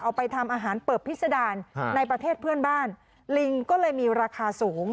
เอาไปทำอาหารเปิบพิษดารในประเทศเพื่อนบ้านลิงก็เลยมีราคาสูง